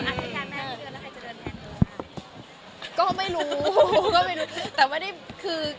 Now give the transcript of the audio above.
อาจจะแก่งแม่งทุกเดือนแล้วใครจะเดินแม่งทุกเดือนกัน